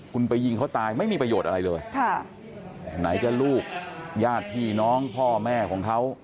คุณไปยิงเขาตายไม่มีประโยชน์อะไรเลยค่ะไหนจะลูกญาติพี่น้องพ่อแม่ของเขา